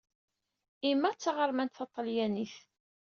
Emma d taɣermant taṭalyanit.